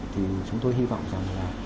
thì chúng tôi hy vọng rằng là